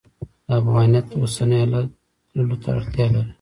د افغانیت اوسني حالت تللو ته اړتیا لري.